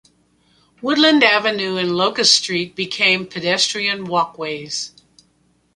Woodland Avenue and Locust Street became pedestrian walkways.